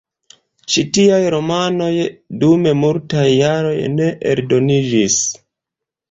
Ĉi tiaj romanoj dum multaj jaroj ne eldoniĝis.